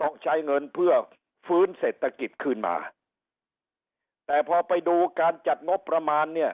ต้องใช้เงินเพื่อฟื้นเศรษฐกิจคืนมาแต่พอไปดูการจัดงบประมาณเนี่ย